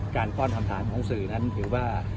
ป้อนคำถามของสื่อนั้นถือว่า